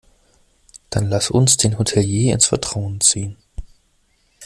Dann lass uns den Hotelier ins Vertrauen ziehen.